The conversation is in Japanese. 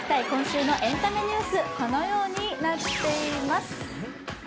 今週のエンタメニュース、このようになっています。